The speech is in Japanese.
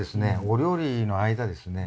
お料理の間ですね